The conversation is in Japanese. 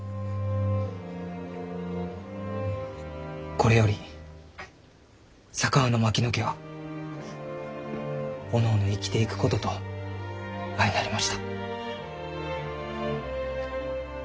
これより佐川の槙野家はおのおの生きていくことと相成りました。